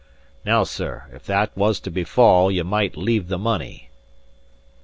Now, sir, if that was to befall, ye might leave the money."